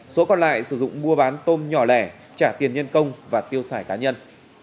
số còn lại sử dụng mua bán tôm nhỏ lẻ trả tiền nhân công và tiêu xài cá nhân